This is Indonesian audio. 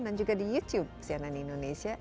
dan juga di youtube sianan indonesia